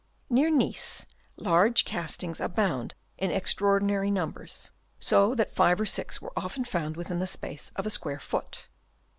Near Nice large castings abound in extraordinary numbers, so that 5 or 6 were often found within the space of a square foot.